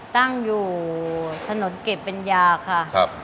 ตั้งอยู่ถนนเก็บเป็นยาค่ะ